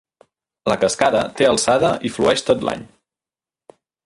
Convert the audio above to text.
La cascada té alçada i flueix tot l'any.